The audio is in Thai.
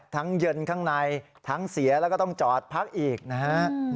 เย็นข้างในทั้งเสียแล้วก็ต้องจอดพักอีกนะฮะ